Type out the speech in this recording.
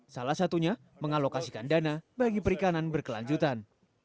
salah satunya mengalokasikan dana bagi perikanan berkelanjutan